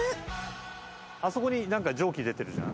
あそこになんか蒸気出てるじゃん？